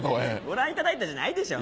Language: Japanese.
ご覧いただいたじゃないでしょ。